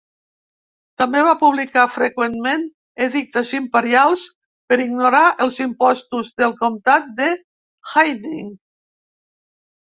També va publicar freqüentment edictes imperials per ignorar els impostos del comtat de Haining.